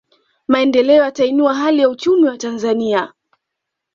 Maendeleo yatainua hali ya uchumi wa Watanzania